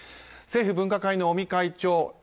政府分科会の尾身会長